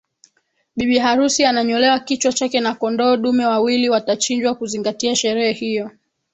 Bibi harusi ananyolewa kichwa chake na kondoo dume wawili watachinjwa kuzingatia sherehe hiyo